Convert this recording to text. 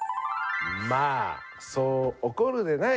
「まあそう怒るでない」